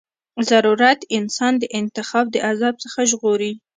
ضرورت انسان د انتخاب د عذاب څخه ژغوري.